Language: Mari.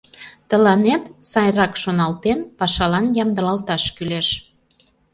Тыланет, сайрак шоналтен, пашалан ямдылалташ кӱлеш.